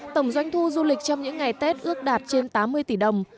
tổng doanh thu du lịch trong những ngày tết ước đạt trên tám mươi tỷ đồng